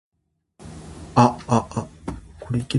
そこに愛はあるんか？